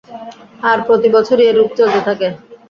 আর প্রতি বছরই এরূপ চলতে থাকে।